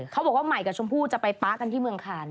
เขาบอกว่าใหม่กับชมพู่จะไปป๊ะกันที่เมืองคาน